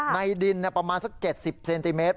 ในดินประมาณสัก๗๐เซนติเมตร